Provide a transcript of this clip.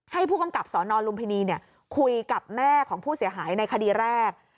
ผู้กำกับสนลุมพินีคุยกับแม่ของผู้เสียหายในคดีแรก